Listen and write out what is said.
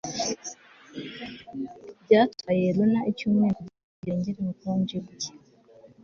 Byatwaye Ioana icyumweru kugirango arengere ubukonje bwe